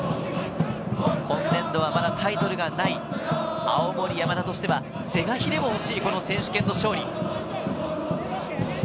今年度はまだタイトルがない青森山田としては是が非でも欲しい選手権の勝利。